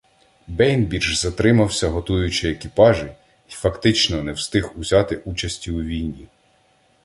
Бейнбрідж затримався, готуючи екіпажі, й фактично не встиг узяти участі у війні.